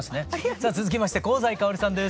さあ続きまして香西かおりさんです。